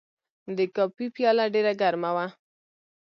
د کافي پیاله ډېر ګرمه وه.